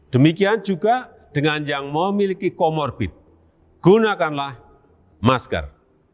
demikian juga dengan yang memiliki comorbid gunakanlah masker